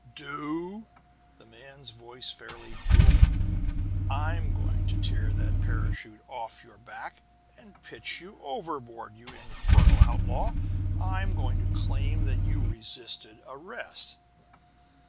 "Do!" The man's voice fairly boomed. "I'm going to tear that parachute off your back and pitch you overboard, you infernal outlaw! And I'm going to claim that you resisted arrest!"